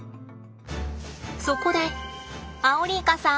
そこでアオリイカさん